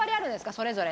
それぞれ。